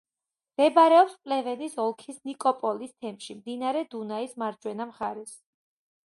მდებარეობს პლევენის ოლქის ნიკოპოლის თემში, მდინარე დუნაის მარჯვენა მხარეს.